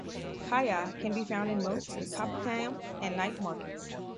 Kaya can be found in most kopitiam and night markets.